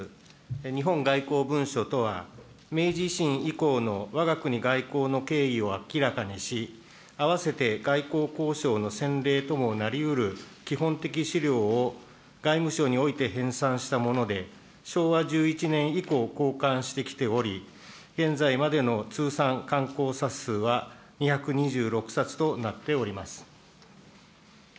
日本外交文書とは、明治維新以降のわが国外交の経緯を明らかにし、あわせて外交交渉の先例ともなりうる基本的資料を外務省において編さんしたもので、昭和１１年以降、こうかんしてきており、現在までの通算刊行冊数は２２６冊となっております。